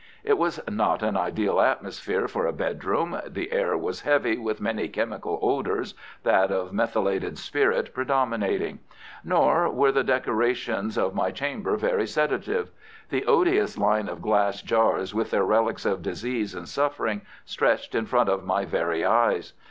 It was not an ideal atmosphere for a bedroom. The air was heavy with many chemical odours, that of methylated spirit predominating. Nor were the decorations of my chamber very sedative. The odious line of glass jars with their relics of disease and suffering stretched in front of my very eyes.